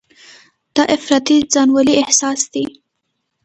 دا افراطي ځانولۍ احساس دی.